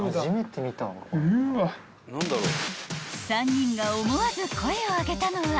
［３人が思わず声を上げたのは］